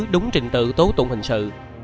đúng trình tự tố tụng hình sự